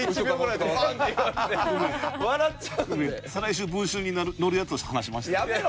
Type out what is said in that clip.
再来週『文春』に載るやつを話しました。